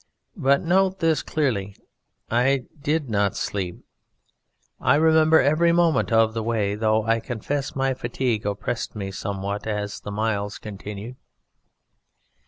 But note this clearly I did not sleep. I remember every moment of the way, though I confess my fatigue oppressed me somewhat as the miles continued.